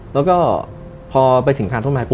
แล้วก็พอไปถึงทางต้นไม้ปุ